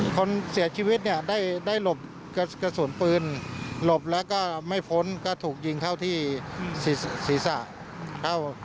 คนเสียชีวิตเนี่ยได้หลบกระสุนปืนหลบแล้วก็ไม่พ้นก็ถูกยิงเข้าที่ศีรษะเข้า